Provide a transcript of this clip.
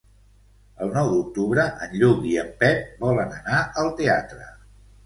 El nou d'octubre en Lluc i en Pep volen anar al teatre.